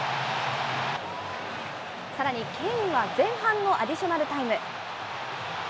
さらに、ケインは前半のアディショナルタイム。